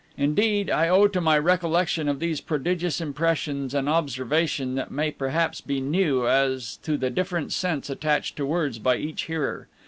Indeed, I owe to my recollection of these prodigious impressions an observation that may perhaps be new as to the different sense attached to words by each hearer.